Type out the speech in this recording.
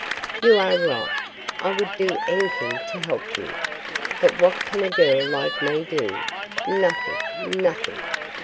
"You are right; I would do anything to help you. But what can a girl like me do? Nothing; nothing.